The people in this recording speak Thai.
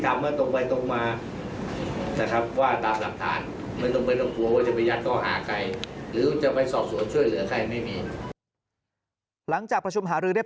ค่ายวชิราวุฒิครับนำสำนวนคดีวางระเบิดที่หาดป่าตองอำเภอกระทู้